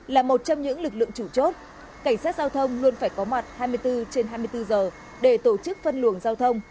là một trong những lực lượng chủ chốt cảnh sát giao thông luôn phải có mặt hai mươi bốn trên hai mươi bốn giờ để tổ chức phân luồng giao thông